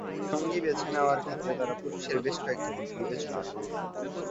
সঙ্গী বেছে নেওয়ার ক্ষেত্রে তারা পুরুষের বেশ কয়েকটা দিক বিবেচনায় নেয়।